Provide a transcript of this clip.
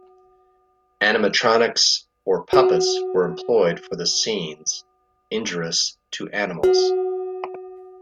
Animatronics or puppets were employed for the scenes injurious to animals.